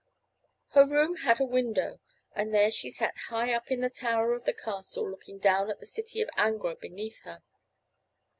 Her room had a window, and there she sat high up in the tower of the castle looking down at the city of Angra beneath her.